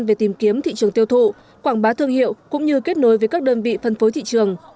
về tìm kiếm thị trường tiêu thụ quảng bá thương hiệu cũng như kết nối với các đơn vị phân phối thị trường